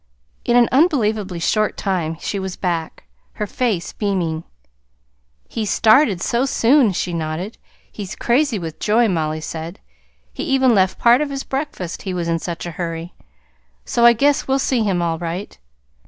In an unbelievably short time she was back, her face beaming. "He's started, so soon," she nodded. "He's crazy with joy, Mollie said. He even left part of his breakfast, he was in such a hurry. So I guess we'll see him all right."